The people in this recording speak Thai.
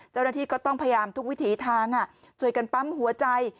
เจ้าหน้าที่ก็ต้องพยายามทุกวิถีทางช่วยกันปั๊มหัวใจ